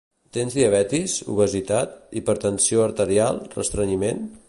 Tens diabetis, obesitat, hipertensió arterial, restrenyiment?